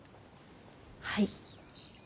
はい。